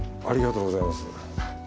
ありがとうございます。